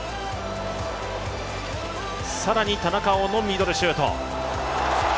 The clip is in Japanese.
更に田中碧のミドルシュート。